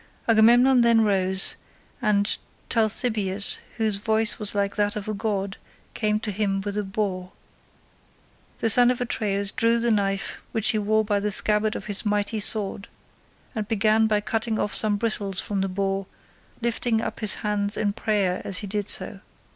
Agamemnon then rose, and Talthybius whose voice was like that of a god came to him with the boar. The son of Atreus drew the knife which he wore by the scabbard of his mighty sword, and began by cutting off some bristles from the boar, lifting up his hands in prayer as he did so.